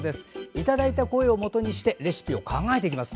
いただいた声をもとにしてレシピを考えていきます。